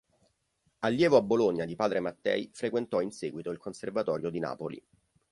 Allievo a Bologna di Padre Mattei, frequentò in seguito il Conservatorio di Napoli.